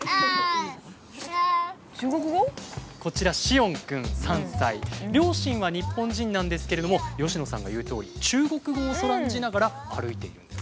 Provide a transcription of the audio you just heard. こちら両親は日本人なんですけれども佳乃さんが言うとおり中国語をそらんじながら歩いているんです。